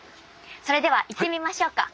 それでは行ってみましょうか。